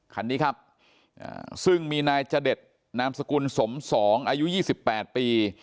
คันนี้ครับซึ่งมีนายจเด็ดนามสกุลสม๒อายุ๒๘ปี